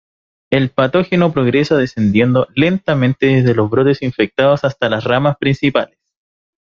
El patógeno progresa descendiendo lentamente desde los brotes infectados hasta las ramas principales.